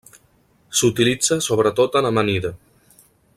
S'utilitza sobretot en amanida.